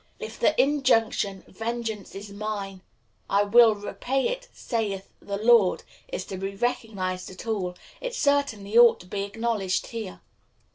If the injunction "Vengeance is mine, I will repay it, saith the Lord" is to be recognized at all, it certainly ought to be acknowledged here.